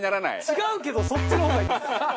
違うけどそっちの方がいいです。